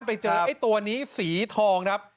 ไปเจอไอ้ตัวนี้สีทองครับ